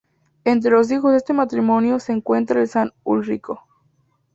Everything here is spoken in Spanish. Entre los hijos de este matrimonio se encuentra el San Ulrico.